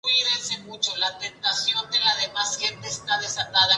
Efectúa vuelos chárter y de carga en la zona.